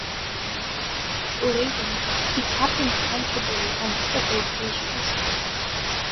Later he captained Canterbury on several occasions.